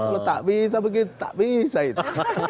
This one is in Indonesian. kalau tak bisa begitu tak bisa itu